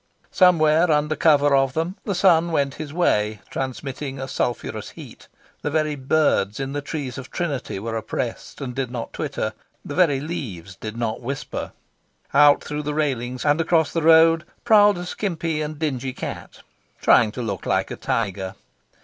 Somewhere under cover of them the sun went his way, transmitting a sulphurous heat. The very birds in the trees of Trinity were oppressed and did not twitter. The very leaves did not whisper. Out through the railings, and across the road, prowled a skimpy and dingy cat, trying to look like a tiger.